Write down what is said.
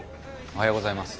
おはようございます。